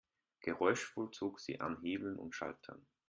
Geräuschvoll zog sie an Hebeln und Schaltern.